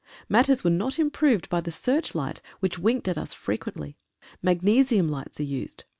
Matters were not improved by the search light, which winked at us frequently. Magnesium lights are used.